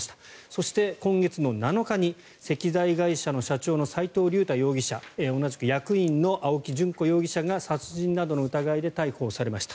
そして、今月の７日に石材会社の社長の齋藤竜太容疑者同じく役員の青木淳子容疑者が殺人などの疑いで逮捕されました。